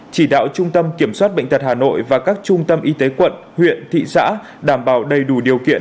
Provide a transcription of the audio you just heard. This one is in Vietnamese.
chỉ đạo trung tâm kiểm soát bệnh tật hà nội và các trung tâm y tế quận huyện thị xã đảm bảo đầy đủ điều kiện